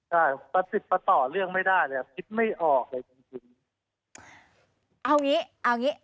เอาล่ะสิรฟ้าต่อเรื่องไม่ได้คิดไม่ออกอะไรจริง